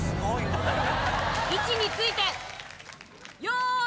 ・位置について用意